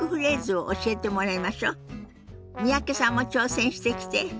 三宅さんも挑戦してきて。